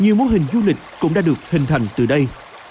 nhiều mô hình du lịch cũng đã được hình thành từ đây